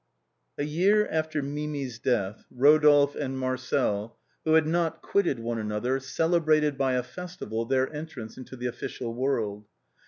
A YEAR after Mimi's death Rodolphe and Marcel, who had not quitted one another, celebrated by a festival their entrance into the official world.